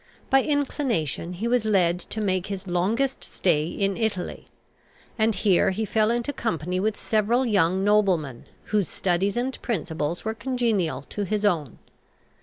By inclination he was led to make his longest stay in Italy; and here he fell into company with several young noblemen whose studies and principles were congenial to his own.